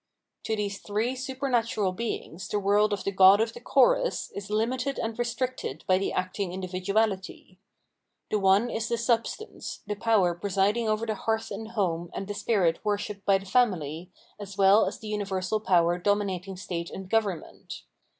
To these three supernatural Beings the world of the * Macbeth. t Hamlet 750 PJiencmenology of Mind gods of the chorus is liroited and restricted by the act ing individuality. The one is the substance, the power presiding over the hearth and home and the spirit worshipped by the family, as well as the umversal power dominating state and government.